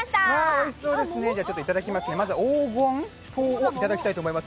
おいしそうですね、まずは黄金桃をいただきたいと思います。